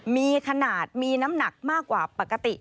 มีขนาดมีน้ำหนักมากกว่าปกติ